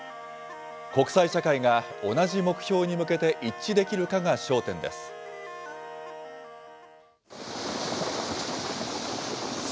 国際社会が同じ目標に向けて一致できるかが焦点です。